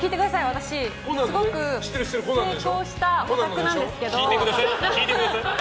私、すごく成功したオタクなんですけど。